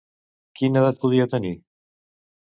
Quina edat podia tenir?